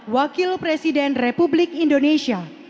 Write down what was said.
wakil presiden republik indonesia